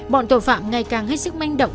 bọn tội phạm ngày càng hết sức manh động